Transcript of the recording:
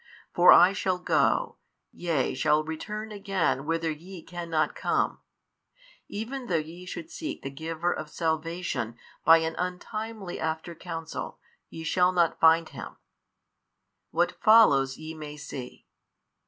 For I shall go, yea shall return again whither YE cannot come; even though ye should seek the Giver of salvation by an untimely after counsel, ye shall not find Him: what follows ye may see.